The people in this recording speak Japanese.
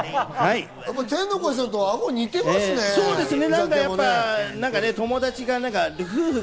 天の声さんとあご似てますね。